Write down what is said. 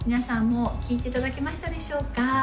もう聴いていただけましたでしょうか？